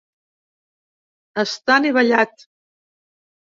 Està anivellat.